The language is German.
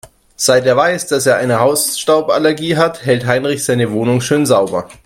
Seit er weiß, dass er eine Hausstauballergie hat, hält Heinrich seine Wohnung schön sauber.